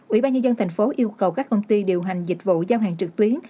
ubnd tp yêu cầu các công ty điều hành dịch vụ giao hàng trực tuyến